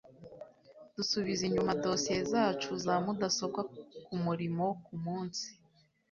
Dusubiza inyuma dosiye zacu za mudasobwa kumurimo kumunsi